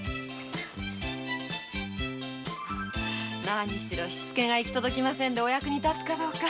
何しろシツケが行き届きませんでお役に立つかどうか。